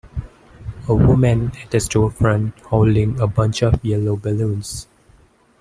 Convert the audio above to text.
A woman at a storefront holding a bunch of yellow balloons.